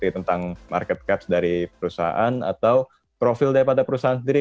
tentang market caps dari perusahaan atau profil daripada perusahaan sendiri